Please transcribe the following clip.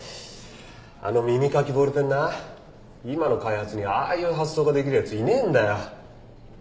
あの耳かきボールペンな今の開発にああいう発想ができるやついねえんだよ。